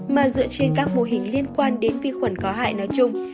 mà dựa trên các mô hình liên quan đến vi khuẩn có hại nói chung